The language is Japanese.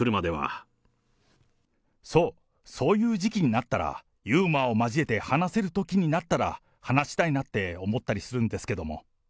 そう、そういう時期になったら、ユーモアを交えて話せるときになったら、話したいなって思ったりするんですけども。